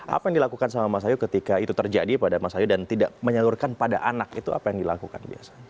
apa yang dilakukan sama mas hayu ketika itu terjadi pada mas ayu dan tidak menyalurkan pada anak itu apa yang dilakukan biasanya